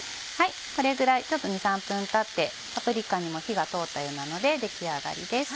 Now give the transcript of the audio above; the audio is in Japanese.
これくらい２３分たってパプリカにも火が通ったようなので出来上がりです。